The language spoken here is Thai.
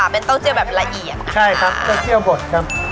เป็นเต้าเจียวแบบละเอียดนะคะครับก็เที่ยวบดครับ